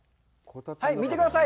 見てください！